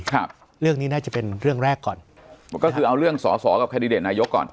ครับเรื่องนี้น่าจะเป็นเรื่องแรกก่อนก็คือเอาเรื่องสอสอกับแคนดิเดตนายกก่อน